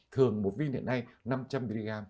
thường một viên hiện nay năm trăm linh mg